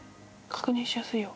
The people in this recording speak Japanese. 確認しやすいよ